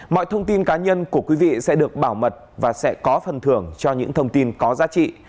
mọi thông tin cá nhân của quý vị sẽ được bảo mật và sẽ có phần thưởng cho những thông tin có giá trị